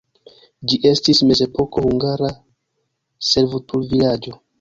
Ĝi estis mezepoko hungara servutulvilaĝo.